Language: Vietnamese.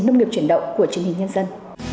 nông nghiệp chuyển động của chương trình nhân dân